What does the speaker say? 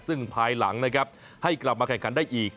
ซึ่งภายหลังนะครับให้กลับมาแข่งขันได้อีก